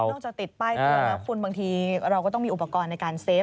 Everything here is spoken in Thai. ออกจากติดป้ายเตือนแล้วคุณบางทีเราก็ต้องมีอุปกรณ์ในการเซฟ